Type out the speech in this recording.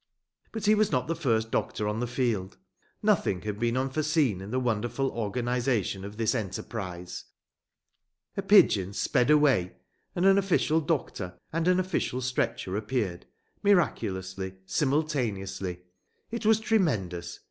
But he was not the first doctor on the field. Nothing had been unforeseen in the wonderful organization of this enterprise. A pigeon sped away and an official doctor and an official stretcher appeared, miraculously, simultaneously. It was tremendous.